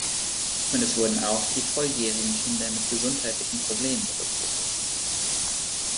Und es wurden auch die volljährigen Kinder mit gesundheitlichen Problemen berücksichtigt.